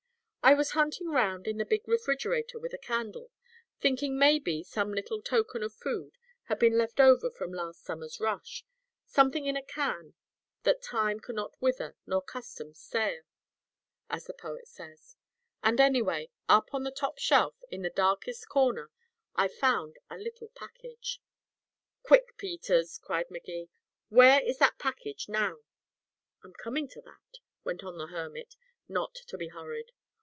I was hunting round in the big refrigerator with a candle, thinking maybe some little token of food had been left over from last summer's rush something in a can that time can not wither nor custom stale, as the poet says and away up on the top shelf, in the darkest corner, I found a little package." "Quick, Peters," cried Magee, "where is that package now?" "I'm coming to that," went on the hermit, not to be hurried.